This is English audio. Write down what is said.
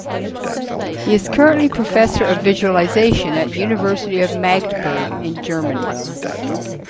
He is currently professor of visualization at University of Magdeburg, Germany.